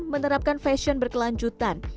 namun menerapkan fashion berkelanjutan